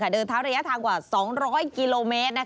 เดินเท้าระยะทางกว่า๒๐๐กิโลเมตร